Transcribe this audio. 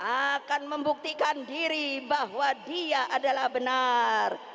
akan membuktikan diri bahwa dia adalah benar